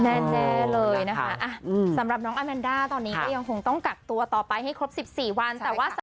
แน่เลยนะคะสำหรับน้องอาแมนด้าตอนนี้ก็ยังคงต้องกักตัวต่อไปให้ครบ๑๔วันแต่ว่า